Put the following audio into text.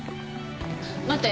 待って。